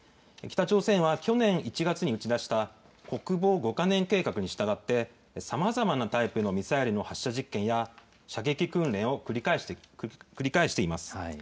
北朝鮮は去年１月に打ち出した国防５か年計画に従って、さまざまなタイプのミサイルの発射実験や、射撃訓練を繰り返しています。